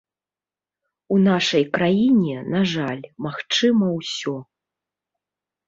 У нашай краіне, на жаль, магчыма ўсё.